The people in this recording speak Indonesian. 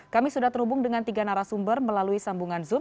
kami sudah terhubung dengan tiga narasumber melalui sambungan zoom